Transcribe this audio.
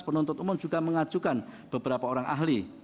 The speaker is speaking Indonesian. penuntut umum juga mengajukan beberapa orang ahli